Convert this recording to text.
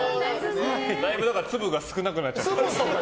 だいぶ粒が少なくなっちゃって。